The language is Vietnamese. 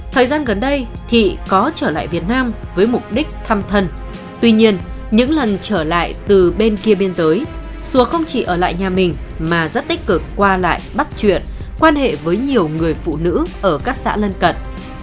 thời gian gần đây thị có trở lại việt nam với mục đích thăm thân tuy nhiên những lần trở lại từ bên kia biên giới xùa không chỉ ở lại nhà mình mà rất tích cực qua lại bắt chuyện quan hệ với nhiều người phụ nữ ở các xã lân cận